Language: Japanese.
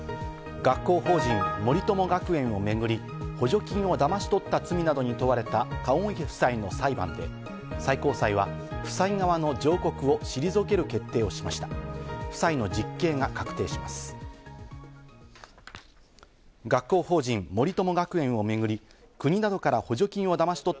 学校法人・森友学園をめぐり、補助金をだまし取った罪などに問われた籠池夫妻の裁判で最高裁は夫妻側の上告を退ける決定をしました。